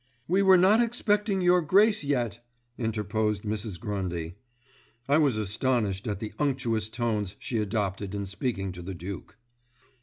"We were not expecting Your Grace yet," interposed Mrs. Grundy; I was astonished at the unctuous tones she adopted in speaking to the Duke.